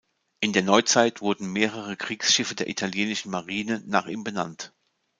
In der Neuzeit wurden mehrere Kriegsschiffe der italienischen Marine nach ihm benannt.